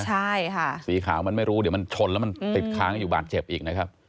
ใช่ค่ะสีขาวมันไม่รู้เดี๋ยวมันชนแล้วมันติดค้างอยู่บาดเจ็บอีกนะครับ